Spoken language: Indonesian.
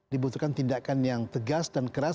dibutuhkan tindakan yang tegas dan keras